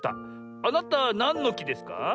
あなたなんのきですか？